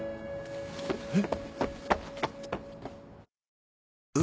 えっ。